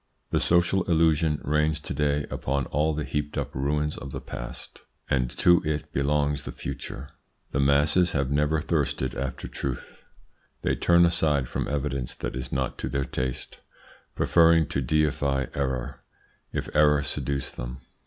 The social illusion reigns to day upon all the heaped up ruins of the past, and to it belongs the future. The masses have never thirsted after truth. They turn aside from evidence that is not to their taste, preferring to deify error, if error seduce them.